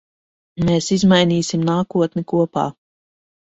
Mēs izmainīsim nākotni kopā.